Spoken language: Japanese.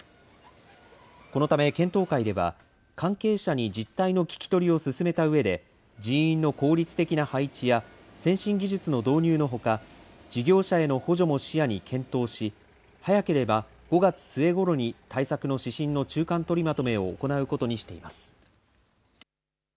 このため検討会では、関係者に実態の聞き取りを進めたうえで、人員の効率的な配置や、先進技術の導入のほか、事業者への補助も視野に検討し、早ければ５月末ごろに対策の指針の中間とりまとめを行うことにしています。